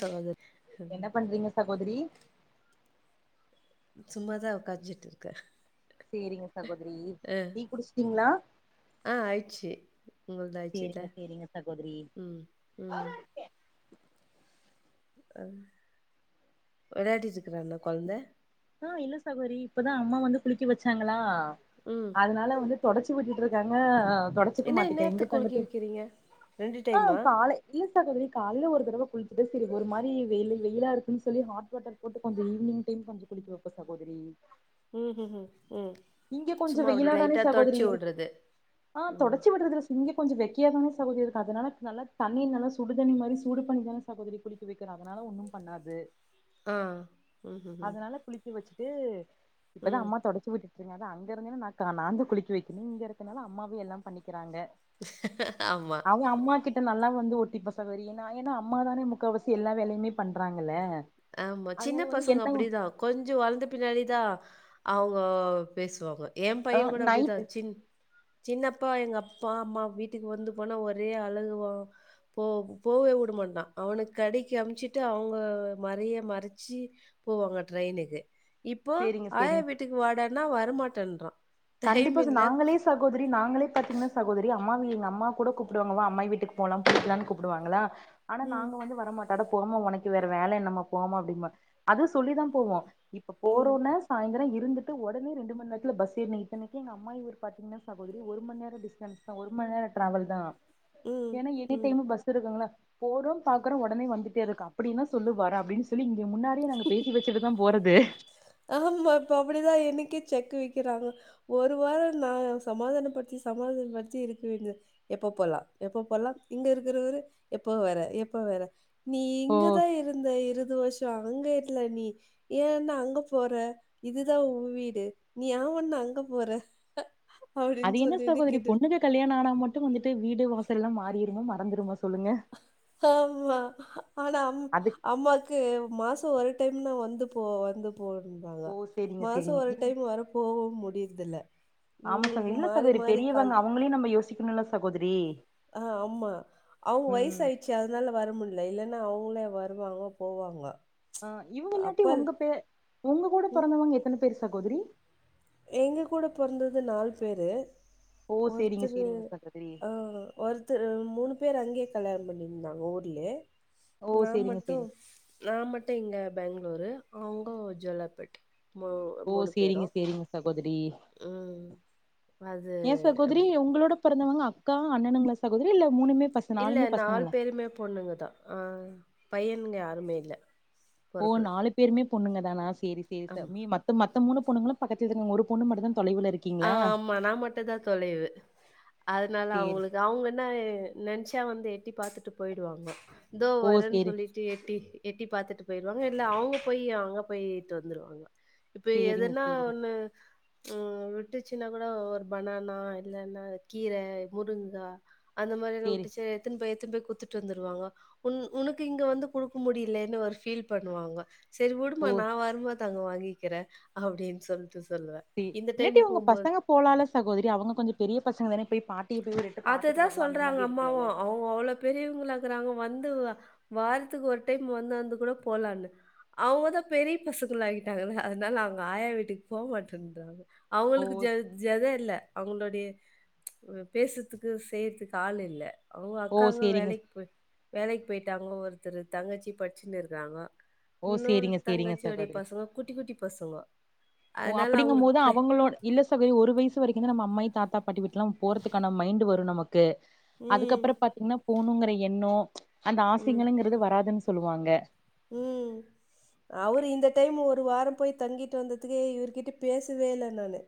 சகோதர் என்ன பண்றீங்க சகோதரி சும்மாதா உக்காஞ்சிட்டுருக்கே சேரிங்க சகோதரி டீ குடிச்சுட்டீங்ளா ஆ ஆயிச்சு உங்கள்து ஆயிச்சுல்ல சேரிங்க சேரிங்க சகோதரி ம் ம் அ வெளாடிட்டு இருக்குறான்னா கொழந்த ஆ இல்ல சகோரி இப்பதா அம்மா வந்து குளிக்க வச்சாங்களா ம் அதனால வந்து தொடச்சி வுட்டுட்டு ருக்காங்க தொடச்சிக்க என்ன மாட்டிக்கிறா இந்நேரத்துக்கு இங்கிட்டு குலுக்கி அங்கட்டு வைக்கிறீங்க ரெண்டு ஆ டைமா காலை இல்ல சகோதரி காலைல ஒரு தடவ குளிச்சுட்டு சரி ஒரு மாரி வெயில் வெயிலா இருக்குன் சொல்லி ஹாட் வாட்டர் போட்டு கொஞ்சோ ஈவ்னிங் டைம் கொஞ்சோ குளிக்க வப்பே சகோதரி ம் ம் ம் ம் இங்க கொஞ்சோ சும்மா அப்டி வெயிலாதானே லைட்டா சகோதரி தொடச்சி இருக்கு வுட்றது ஆ ம் தொடச்சு விட்றதுல இங்கே கொஞ்சோ வெக்கயாதானே சகோதரி இருக்கு அதனால நல்லா தண்ணிய நல்லா சுடு தண்ணி மாரி சூடு பண்ணி தா சகோதரி குளிக்க வக்கிறோ அதனால ஒண்ணு பண்ணாது ஆ ம்ஹும் அதனால குளிக்க வச்சுட்டு இப்பதா அம்மா தொடச்சு விட்டு இந்நேரோ அங்க இருந்தேன்னா ந நா தா குளிக்க வக்கணு இங்க இருக்கனால அம்மாவே எல்லா பண்ணிக்கிறாங்க ஆமா அவே அம்மா கிட்ட நல்லா வந்து ஒட்டிப்பா சகோதரி நா ஏன்னா அம்மா தானே முக்காவாசி எல்லா வேலயுமே பண்றாங்கல்ல ஆமா சின்ன அதனால வந்து பசங்க என்ன அப்டிதா கொஞ்சோ வளர்ந்த பின்னாடி தா அவுங்க பேசுவாங்க ஏ ஆ பய்யே கூட அப்டிதா நைட்டு சின் சின்னப்பா எங்க அப்பா அம்மா வீட்டுக்கு வந்து போனா ஒரே அழுகுவா போ போவே வுடமாட்டா அவனுக் கடைக்கு அம்ச்சிட்டு அவுங்க மறைய மறுச்சு போவாங்க ட்ரெயினுக்கு இப்போ சேரிங்க ஆயா சேரிங்க வீட்டுக்கு வாடனா வரமாட்டேன்றா கண்டிப்பா சிஸ் நாங்களேச் சகோதரி நாங்களே பாத்தீங்ன்னா சகோதரி அம்மா எங்க அம்மா கூட கூப்பிடுவாங்க வா அம்மாயி வீட்டுக்கு போலா குளிக்கலான்னு கூப்டுவாங்ளா ஆனா ம் நாங்க வந்து வரமாட்டோ அட போமா ஒனக்கு வேற வேல என்னம்மா போமா அப்டின்போ அதுவு சொல்லிதா போவோ இப்ப ம் போறோனா சாய்ந்தரோ இருந்துட்டு ஒடனே ரெண்டு மண் நேரத்துல பஸ் ஏறி இத்தனைக்கு எங்க அம்மாயி ஊரு பாத்தீங்ன்னா சகோதரி ஒரு மண் நேர டிஸ்டன்ஸ் தா ஒரு மண் நேரோ டிராவல் தா ம் ஏன்னா எனி ம் டைமு பஸ் இருக்குங்களா போறோ பாக்குறோ ஒடனே வந்துட்டே இருக்கோ அப்டினா சொல்லு வரோ அப்டின்னு சொ ல்லி இங்க முன்னாடியே நாங்க பேசி வச்சுட்டு தா போறது ஆமா இப்ப அப்டிதா எனக்கே செக் வக்கிறாங்க ஒரு வாரோ தா சமாதான படுத்தி சமாதானப்படுத்தி இருக்க வேண்டிய எப்ப போலா எப்ப போலா இங்க இருக்குறவரு எப்ப வர எப்ப வர நீ ஓ இங்கதா இருந்த இருது வருஷோ அங்க இல்ல நீ ஏன்னா அங்கப் போற இதுதா ஊ வீடு நீ ஆவுண்ணா அங்க போற அப்படின்னு அது என்னா சொல்லிட்டு சகோதரி கேட்டு பொண்ணுங்க கல்யாண ஆனா மட்டு வந்துட்டு வீடு வாசல்லா மாறிருமா மறந்துருமா சொல்லுங்க ஆம்மா ஆனா அம் அது அம்மாக் கு மாசோ ஒரு டைம்னா வந்து போ வந்து போன்பாங்க ஓ சரிங்க மாசோ சரிங்க ஒரு இது டைம் வர போவ முடியுறுதுல்ல ஆமா சகோ இல்ல சகோரி பெரியவங்க அவுங்களையு நம்ம யோசிக்கனுல சகோதிரி ஆ ஆம்மா அவுங்க வய்ச் ஆய்ட் ச்சு அதனால வர முல்ல இல்லன்னா அவுங்களா வருவாங்க போவாங்க ஆ இவுங்க இல்லாட்டி அப்பல் ஒங்க பே ஒங்க கூட பொறந்தவங்க எத்தன பேர் சகோதிரி எங்க கூட பொறந்தது நால் பேரு ஓ சரிங்க ஒருத்தரு சரிங்க சகோதரி ஆ ஒருத்தரு மூனு பேரு அங்கயே கல்யாண பண்ணியிருந்தாங்க ஊர்லே ஓ நா சரிங்க மட்டு சரிங்க நா மட்டு இங்க பேங்ளூரு அவுங்க ஜோல்லார்பேட் மூ மூனு பேரு சகோதிரி அது ஏ சகோதிரி அப்டி. உங்ளோட பொறந்தவங்க அக்கா அண்ணனுங்ளா சகோதிரி இல்ல மூனுமே பசங் இல்ல நால் பேருமே பொண்ணுங்கதா ஆ பையனுங்க யாருமே இல்ல ஓ பொறக்கல. நாலு பேருமே பொண்ணுங்க தானா சேரி சேரி சகோ ஆமா. நீ ம மத்த மூணு பொண்ணுங்களு பக்கத்தில ஒரு பொண்ணு மட்டு தா தொலைவுல இருக் ஆஹ் ஆம்மா நா மட்டு தா தொலைவு அதுனால சேரி. அவுங்களுக் அவுங்கன்னா ஏ நன்ச்சா வந்து எட்டி பாத்துட்டு பொய்டுவாங்க தோ ஓ வரேன் சேரி. சொல்லிட் டு எட்டி எட்டி பாத்துட்டு பொய்டுவாங்க இல்ல அவுங்க போய் அங்க போயிட்டு வந்துருவாங்க இப்ப சேரிங்க எதன்னா சேரிங்க. ஒண்ணு ம் விட் விட்டுச்சின்னா கூட ஒவ்வொர் பனானா இல்லன்னா கீர முருங்கா அந்த மாதிரில்லா சேரி. உட்டிசே எத்துன் போய் எத்துன் போய் குத்துட்டு வந்துருவாங்களா உன் உனக்கு இங்க வந்து குடுக்க முடியிலேன்னு ஒரு ஃபீல் பண்ணுவாங்க செரி உடுமா ஓ நா வருமோது அங்க வாங்கிக்கிறே அப்டின் சொல்ட்டு சொல்லுவே டி இல்லாட்டி ஒங்க பசங்க போலால சகோதரி அவுங்க கொஞ்சோ பெரிய பசங்க தானே போய் பாட்டிய போய் ஒர் எட் அதுதா சொல்றாங்க அம்மாவு அவ் ஓ அவ்ளோ பெரியவங்களா இக்குறாங்க வந்து வாரத்துக்கு ஒர் டைம் வந்தாந்து கூட போலான்னு அவுங்கதா பெரிய பசுங்களாய்ட்டாங்கள அதனால அவ்ங்க ஆயா வீட்டுக்கு போக மாட்டேன்றாங்க ஓ அவுங்களுக்கு ஜெத் ஜெதே இல்ல அவங்களுடைய பேசுதுக்கு செய்யிதுக்கு ஆள் இல்ல அவுங்க ஓ அக்காங்க சேரிங்க வேலக் போய் வேலக்கி போயிட்டாங்க ஒருத்தரு தங்கச்சி படிச்சின்னு இருக்காங்க ஓ இன்னொரு சேரிங்க சேரிங்க தங்கச்சியொடைய சகோதரி. பசங்க குட்டி குட்டி பசங்கோ ஓ அப்புடிங்கு மோது அவுங்களோட இல்ல சகோதரி ஒரு வயசு வரிக்கு தா நம்ம அம்மாய் தாத்தா பாட்டி வீட்டுக்கெல்லா போறதுக்கான மைண்ட் வரு நமக்கு ம் அதுக்கப்புறோ பாத்தீங்கன்னா போணுங்கற எண்ணோ அந்த ஆசங்களங்கறது வராதுன்னு சொல்லுவாங்க உம் அவரு இந்த டைம் ஒரு வாரோ போய் தங்கிட்டு வந்ததுக்கு இவரு கிட்ட பேசவே இல்ல நானு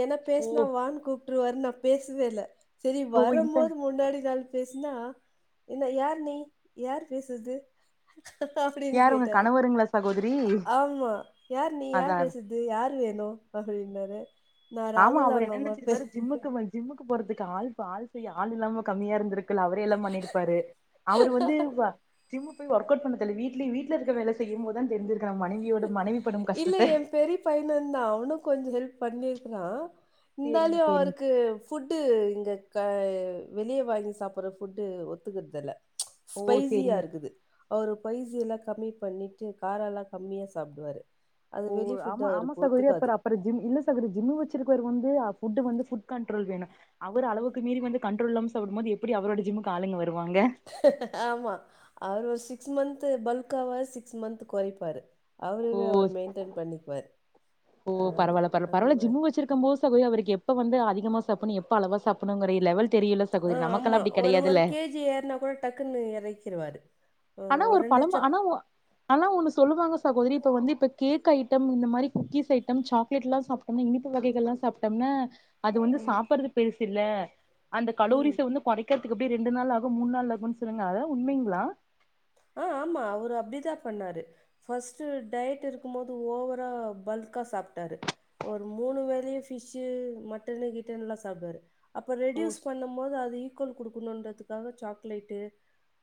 ஏனா ஓ பேசுனா வான் கூப்ட்டுருவாருனு நா பேசவேல்ல செரி ஓ இந்த வரமோது முன்னாடி நாள் பேசுனா இன்னா யார் நீ யார் பேசுரது அப்டின்னு யாரு உங்க கேட்டாரு கணவருங்களா சகோதரி ஆம்மா யார் நீ அதா யார் அது பேசுரது இது யாரு வேணு‌ அப்டின்னாரு நா ஆம்மா ராகுல் அவரு அவங்க என்னா அம்மா பே நெனச்சிருப்பாரு ஜிம்முக்கு ஜிம்முக்கு போறதுக்கு ஆள்ப்பு ஆள் செய்ய ஆள் இல்லாம கம்மியா இருந்திருக் கல அவரெ எல்லா பண்ணிருப்பாரு அவரு வந்து வா ஜிம்முக்கு போய் ஒர்க் அவுட் பண்ணணு தோழி வீட்லே வீட்ல இருக்க வேல செய்ய மோதா தெரிஞ்சிருக்கு மனைவி மனைவியோட படும் இல்ல கஷ்டத்த ஏ பெரிய பையனுந்தா அவனு கொஞ்சோ ஹெல்ப் பண்ணிருக்றா சேரிங்க இந்தாலயு சேரிங்க அவருக்கு ஃபுட்டு இங்கக வெளிய வாங்கி சாப்புற ஃபுட்டு ஒத்துக்கறதில்ல ஓ ஸ்பைசியா சேரிங்க இருக்குது அவரு பைசி எல்லா கம்மி பண்ணிட்டு காரலா கம்மியா சாப்டுவாரு ஓ ஆமா ஆமா சகோதரி அப்பற அப்பற ஜிம் இல்ல சகோதரி ஜிம்மு வச்சிருக்கவருக்கு வந்து ஃபுட்டு வந்து ஃபுட் கண்ட்ரோல் வேணு அவர் அளவுக்கு மீறி வந்து கண்ட்ரோல் இல்லாம சாப்டும்போது எப்டி அவரோட ஜிம்முக்கு ஆளுங்க வருவாங்க ஆமா அவர் ஒரு சிக்ஸ் மந்த்து பல்க்காவாரு சிக்ஸ் மந்த்து கொறைப்பாரு அவரவே அவர் மெயின்டென் பண்ணிக்குவாரு ஓ பரவால பரல பரவால ஜிம்மு வச்சிருக்கோம்போ சகோதரி அவருக்கு எப்ப வந்து அதிகமா சாப்பணு எப்ப அளவா சாப்பணுங்ற லெவல் தெரியல ஆ ஆமா ஒரு ஒரு கேஜி ஏறுனா கூட டக்குன்னு எறக்கிருவாரு ஆனா ஒரு பழம்ப ஆனா ஒ அ ஆனா ஒன்னு சொல்லுவாங்க சகோதரி இப்போ வந்து இப்ப கேக் ஐட்டம் இந்த மாரி குக்கீஸ் ஐட்டம் சாக்லேட்லா சாப் டம்னா இனிப்பு வகைகள்லா சாப்ட்டம்னா அது வந்து ம். சாப்பறது பெருசு இல்ல அந்த ம். கலோரிச வந்து கொறைக் கறதுக்கு எப்டி ரெண்டு நாளாகும் மூன் நாள் ஆகுன் சொறாங்க அதலா உண்மைங்ளா ஆ ஆமா அவுரு அப்டிதா பண்ணாரு ஃபஸ்ட்டு டயட் இருக்கும்போது ஓவரா பல்க்கா சாப்ட்டாரு ஒரு மூனு வேளையு ஃபிஷ்ஷு மட்டனு கிட்டனுலா சாப்டுவாரு அப்ப ஓ ரெடியூஸ் பண்ணம் போது அது ஈக்குவல் குடுக்கணுன்றதுக்காக சாக்லேட்டு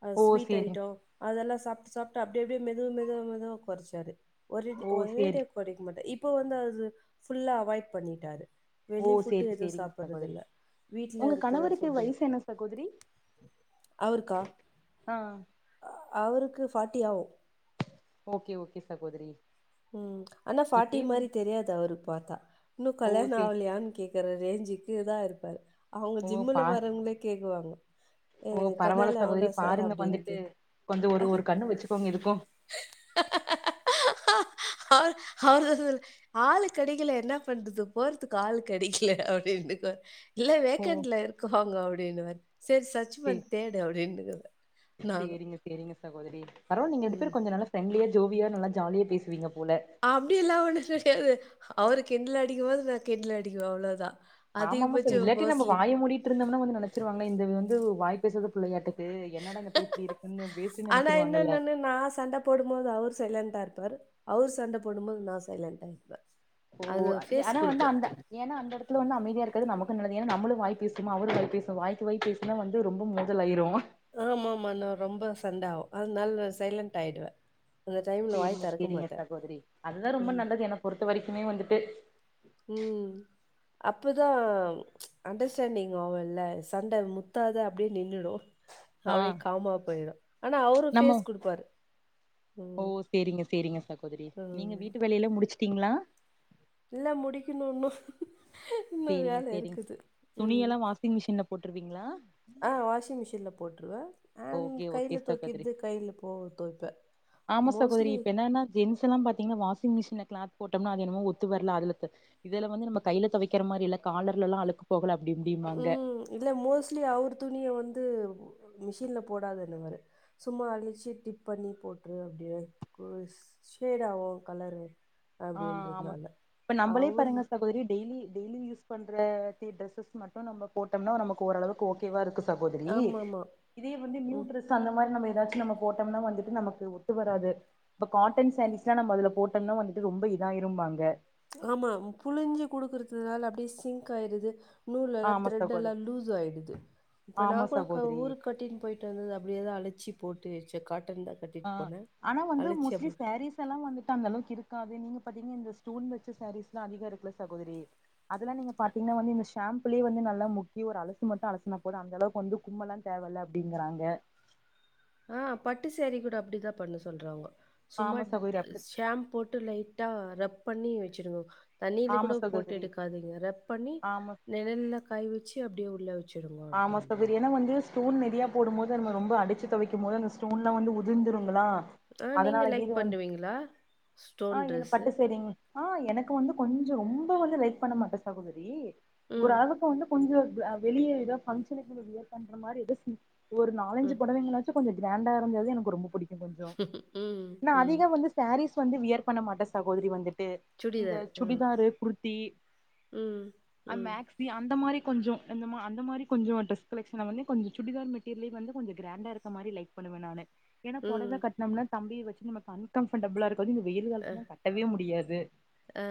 அ ஓ ஸ்வீட் சேரிங்க ஐட்டோ அதெல்லா சாப்ட்டு சாப்ட்டு அப்டி அப்டியே மெதுவா மெதுவா மெதுவா கொறச்சாரு ஒரு அடி ஓ ஒரே சேரி அடியா கொறைக்க மாட்டா இப்ப வந்து அது ஃபுல்லா அவாய்ட் பண்ணிட்டாரு ஓ வெளி ஃபுட்டு சேரி எதுவு சேரிங்க சகோதரி சாப்பறதில்ல வீட்ல உங்க இருக்கற கணவருக்கு ஃபுட்டுதா வயசு என்ன சகோதரி அவுருக்கா ஆ அவுருக்கு ஃபாட்டி ஆவு ஓகே ஓகே சகோதரி ம் ஆனா ஃபாட்டி இப்பயே வந்து மாரி தெரியாது அவுருப் பாத்தா இன்னுக் ஓ கல்யாண சே ஆவுலியான் கேக் க்கற ரேஞ்சுக்குதா இருப்பாரு அவுங்க ஓ ஜிம்முல பா வறவுங்ளே கேக்குவாங்க எ ஓ பரவால்ல கண்ணாலே சகோதரி ஆவுனா சார் பாருங்க அப்டின் வந்துட்டு கேப் கொஞ்சோ ஒரு அ அ ஒரு கண்ணு வச்சுக்கோங்க இதுக்கு அவுரு அவுருதா சொல் ஆளு கெடைக்கல என்னா பண்றது போறதுக்கு ஆளு கெடைக்கல அப்டினுக்கோ இல்ல ஓ வேக்கண்ட்ல இருக்காவுங்க அப்டினுவாரு சேரி சர்ச் சே பண் தேடு அப்டின்னுங்கத சேரிங்க சேரிங்க சகோதரி பரவால் நீங்க ரெண்டு ம். பேரு கொஞ்ச நல்லா ஃப்ரெண்ட்லியா ஜோவியா நல்லா ஜாலியா பேசுவீங்க போல அப்டிலா ஒன்னுங் கெடையாது அவுரு கிண்டலடிக்கும் போது நா கிண்டல் அடிக்குவே அவ்ளோதா ஆமாமா சார் இல்லாட்டி நம்ம வாய மூடிட்ருந்தம்னா வந்து நெனச்சிருவாங்னே இந்த வந்து வாய்ப் பேசாத பிள்ளையாட்டக் து என்னடா இந்தப்ள இப்டி இருக்குன்னு வேஸ்டுன் நெனச்சிருவாங்கல்ல நா சண்டப் போடும்போது அவுரு சைலண்டா இருப்பாரு அவுரு சண்ட போடும்போது நா சைலண்டா ஆயிப்பே ஓ அதி ஆனா வந்து அந்த எனா அந்த எடத்துல வந்து அமைதியா இருக்கது நமக்கு நல்லது எனா நம்மளு வாய்ப் பேசுமா அவுரு வாய்ப்பேசு வாய்க்கு வாய்ப்பேசு னா வந்து ரொம்ப மோதலாயிருவோ ஆமாமா நா ரொம்ப சண்ட ஆவு அதனால் நா சைலண்ட் ஆயிடுவே சேரிங்க சேரிங்க சகோதரி அதுதா ரொம்ப ம். நல்லது என்ன பொறுத்த வரைக்குமே வந்துட்டு ம் அப்பதாம் அண்டர்ஸ்டாண்டிங் ஆவுல்ல சண்ட முத்தாத அப்டியே நின்னுடு ஆ அவியே காமாப் போயிரு ஆனா அவுரு நம்ம ஃபேஸ் குடுப்பாரு ஓ ம். சேரிங்க சேரிங்க சகோதரி நீங்க ம். வீட்டு வேலை எல்லாம் முடிச்சுட்டீங்ளா இல்ல முடிக்கிணு இன்னு சேரிங்க சேரிங் துணியெல்லா வாஷிங் மிஷின்ல போட்ருவீங்ளா ஆ வாஷிங் மிஷின்ல போட்ருவே அண்ட் ஓகே ஓகே கைலத் சகோதரி தொவைக்கிறது கைல போ தொவைப்பே மோஸ்ட்லி ஜென்ஸ்சுலாம் பாத்தீங்னா வாஷிங் மிஷின்ல கிளாத் போட்டம்னா அது என்மோ ஒத்து வர்ல அதுலத்த இதல வந்து நம்மக் கைலத் தொவைக்கிற மாரி இல்லக் காலர்லலா அழுக்குப் போகல அப்டி இப்டிம்பாங்க ம் இல்ல மோஸ்ட்லி அவுரு துணிய வந்து மிஷின்ல போடாதன்னுவாரு சும்மா அடிச்சி டிப் பண்ணி போட்டுரு அப்டியே ம் ஷேடாவு கலரு ஆ ஆமா அப்படின்றதுனால இப்ப நம்மளே அவரு பாருங்க சகோதரி டெய்லி டெய்லி யூஸ் பண்ற தே டிரஸ்ஸஸ் மட்டு நம்ம போட்டோம்னா நமக்கு ஓரளவுக்கு ஓ கேவா இருக்கு சகோதரி ஆமா ஆமா இதே வந்து ம் நியூட்ரஸ் அந்த மாரி நம்ம ஏதாச்சும் நம்ம போட்டோம்னா வந்துட்டு நமக்கு ஒத்து வராது இப்ப காட்டன் சேரீஸ்லா நம்ம அதுல போட்டோம்னா வந்துட்டு ரொம்ப இதா ஆயிரும்பாங்க ஆமா புழிஞ்சி குடுக்குறதுனால அப்டியே சிங்க் ஆயிருது நூல்லெல்லா ஆமா த்ரெட்ல்லா சகோதரி லூஸ் ஆயிடுது இப்போ நா ஆமா கூட க சகோதரி ஊருக்கு கட்டின் போயிட்டு வந்தது அப்டியேதா அழச்சி போட்டு வச்சே காட்டன் தா ஆ ஆனா வந்து மோஸ்லி சேரீஸ் எல்லா வந்துட்டு அந்த அளவுக்கு இருக்காது நீங்க பாத்தீங்க இந்த ஸ்டோன் வச்ச சாரீஸ்லா அதிக இருக்குல சகோதரி அதெல்லா நீங்க பாத்தீங்கன்னா வந்து இந்த ஷாம்புலயே வந்து நல்லா முக்கி ஒரு அலசு மட்டு அலசனா போத அந்தளவுக்கு வந்து ரொம்பலா தேவ இல்ல அப்டிங்கிறாங்க ஆ பட்டு சேரீ கூட அப்டிதான் பண்ண சொல்றாங்கோ சும்மா ஆமா சகோதரி அப்படி ஷாம்பு போ ட்டு லைட்டா ரப் பண்ணி வச்சிருவோ தண்ணில ஆமா கூட போட்டு சகோதரி எடுக்காதீங்க ரப் பண்ணி ஆமா நெழல்ல காய் வச்சி அப்டியே உள்ளே வச்சி ஆமா சகோதரி ஏனா வந்து ஸ்டோன் நிறையா போடும்போது நம்ம ரொம்ப அடிச்சு துவைக்கும் போது அந்த ஸ்டோன் எல்லா வந்து உதிர்ந்துருங்களா ஆ நீங்க அதனால லைக் கீது வந்து பண்ணுவீங்களா? ஆ ஸ்டோன் என்ன ட்ரெஸ்ஸு. பட்டு சேரிங் ஆ எனக்கு வந்து கொஞ்சோ ரொம்ப வந்து லைக் பண்ண மாட்டே சகோதரி ம். ஓரளவுக்கு வந்து கொஞ்சோ அ வெளிய எதோ பங்ஷன்னுக்கு வியர் பண்ற மாரி எதோ சி ஒரு நாலஞ்சு ம். பொடவைங்கள ச்சு கொஞ்சோ கிராண்டா இருந்தது எனக்கு ரொம்ப புடிக்கு கொஞ்சோ ம். நா ம். அதிக வந்து சேரீஸ் வந்து வியர் பண்ண மாட்ட சகோதரி வந்துட்டு இந்த சுடிதார். ம். சுடிதாரு குர்தி ம். ம். அமேக்ஸ் நீ அந்த மாரி கொஞ்சோ இந்த அந்த மாரி கொஞ்சோ ட்ரெஸ் கலெஷனை வந்து கொஞ்சோ சுடிதார் மெட்டீரியலையு வந்து கொஞ்சோ கிராண்டா இருக்க மாரி லைக் பண்ணுவ நானு ஏன்னா ம். பொடவை கட்டனம்னா தம்பியை வச்சு நமக்கு அன்கம்ஃபர்டபுளா இருக்காது இந்த அ. வெயில்காலத்துக்கலா கட்டவே முடியாது ஆ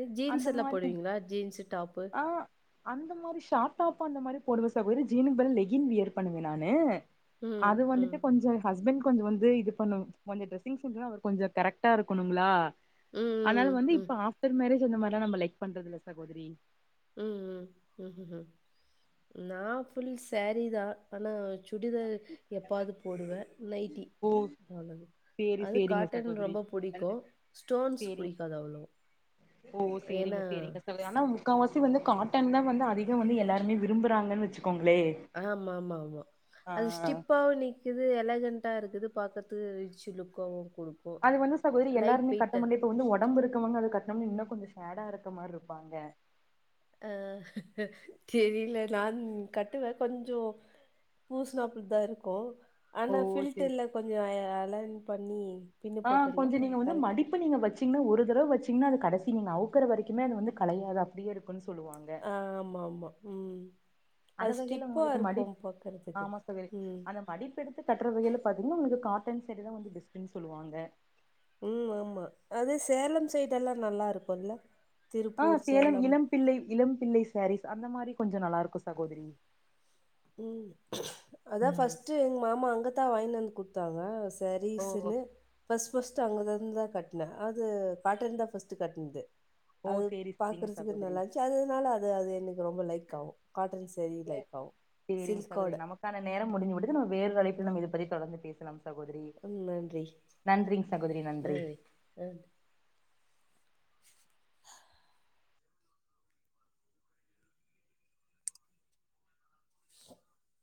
அ ஜீன்ஸ் அந்த எல்லா மாரி போடுவீங்களா ஜீன்ஸ் டாப் ஆ அந்த மாரி ஷாட் டாப் அந்த மாரி போடுவ சகோதரி ஜீனுக்கு பதில் லெகின் வியர் பண்ணுவே நானு ம். அது ம். வந்துட்டு கொஞ்ச ஹஸ்பண்ட் கொஞ்ச வந்து இது பண்ணு கொஞ்சோ டிரெஸிசென் அவர் கொஞ்ச கரைக்டா இருக்கணுங்களா அதனால ம். வந்து ம். இப்ப ஆஃப்டர் மேரேஜ் அந்த மாதிரியலா நம்ம லைக் பண்றது இல்ல சகோதரி ம் ம் ம்ஹூம் நா ஃபுல் சேரீ தா ஆனா சுடிதார் எப்பாவது போடுவே நைட்டி ஓ அவளோ தா சேரி அது சேரிங்க காட்டன் சகோதரி ரொம்ப புடிக்கு ஸ்டோன்ஸ் சேரிங் புடிக்காது அவளோவா ஓ சேரிங்க சேரிங்க ஆனா முக்கால்வாசி வந்து காட்டன் தா வந்து அதிக வந்து எல்லாருமே விரும்புறாங்கன்னு வச்சுக்கோங்களே ஆமா ஆமா ஆமா ஆ அது ஸ்டிப்பாவு நீக் குது எலகெண்டாக இருக்குது பாக்குறதுக்கு ரிச் லுக்காவு குடுக்கு அது வந்து சகோதரி எல்லாருமே கட்டமுடி இப்ப வந்து ஒடம்பு இருக்கவங்க அத கட்டினோம்னு இன்னு கொஞ்ச ஷேடா இருக்க மாரி இருப்பாங்க அ தெரியல நா கட்டுவே கொஞ்சோ பூசுனாப்படிதா இருக்கு ஓ ஆனா சேரி ஃபில்டர்ல கொஞ்ச அ அலைன் பண்ணி பின்னு ஆ போட்டேன்னா கொஞ்ச நீங்க வந்து கரெக்ட் மடி இப்ப நீங்க வச்சீங்கன்னா ஒரு தடவை வச்சீங்கன்னா அது கடைசி நீங்க அவுக்குற வரைக்குமே அது வந்து களையாது அப்டியே இருக்குன்னு சொல்லுவாங்க ஆ ஆம ஆமா ம் ம் அந்த அது வகையில ஸ்டிப்பா உங்களுக்கு இருக்கும் பார்கறதுக்கு ம் மடிப்பெடுத்து கட்டுற வகையில பார்த்திங்கன்னா உங்களுக்கு காட்டன் சாரி தான் வந்து பெஸ்டுன்னு சொல்லுவாங்க ம் ஆமா அது சேலம் சைடெல்லாம் நல்லா இருக்கும்ல்ல ஆ சேலம் இளம் பிள்ளை இளம் பிள்ளை சேரீஸ் அந்த மாரி கொஞ்சோ நல்லா இருக்கும் சகோதிரி ம் அதான் ஃபஸ்ட்டு எங்க மாமா அங்க தான் வாய்ன் வந்து குடுத்தாங்க ஓ ஜரீஸ்ன்னு ஃபஸ்ட் ஃபஸ்ட்டு அங்க இருந்துந்தான் கட்டினேன் அது காட்டன் தான் ஃபஸ்ட்டு கட்னது ஓ அது சேரி சேரிங்க பாக்குறதுக்கு சகோதரி நல்லா இருஞ்ச்சு அதனால அது அது எனக்கு ரொம்ப லைக் ஆகும் காட்டன் தெறி லைக் ஃ பாகு சேரிங்க சகோதிரி நமக்கான நேரம் முடிஞ்சு விட்டது நம்ம வேறு அழைப்புல நம் இதை பத்தி தொடர்ந்து பேசலாம் சகோதிரி நன்றி நன்றி சகோதிரி நன்றி இ